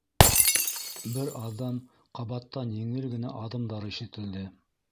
Бер аҙҙан ҡабаттан еңел генә аҙымдар ишетелде.